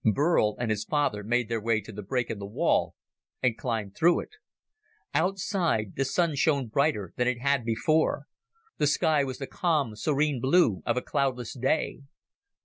Burl and his father made their way to the break in the wall and climbed through it. Outside, the Sun shone down brighter than it had before. The sky was the calm serene blue of a cloudless day.